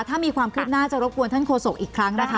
ถ้ามีความคืบหน้าจะรบกวนท่านโฆษกอีกครั้งนะคะ